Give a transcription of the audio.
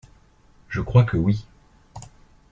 Je crois que oui.